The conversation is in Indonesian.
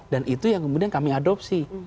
dan itu yang kemudian kami adopsi